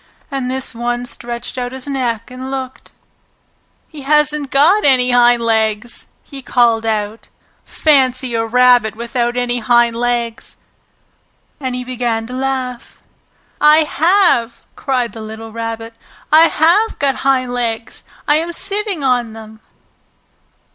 And this one stretched out his neck and looked. "He hasn't got any hind legs!" he called out. "Fancy a rabbit without any hind legs!" And he began to laugh. "I have!" cried the little Rabbit. "I have got hind legs! I am sitting on them!"